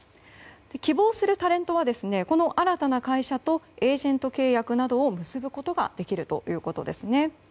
希望するタレントはこの新たな会社とエージェント契約などを結ぶことができるということです。